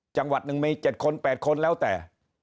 จังหวัดหนึ่งมี๗คน๘คนแล้วแต่